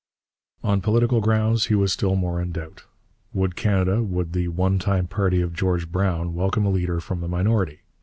On political grounds he was still more in doubt. Would Canada, would the one time party of George Brown, welcome a leader from the minority?